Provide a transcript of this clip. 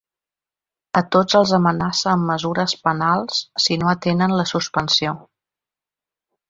A tots els amenaça amb mesures ‘penals’ si no atenen la suspensió.